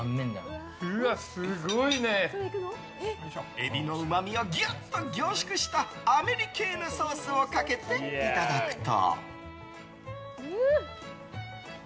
エビのうまみをギュッと凝縮したアメリケーヌソースをかけていただくと。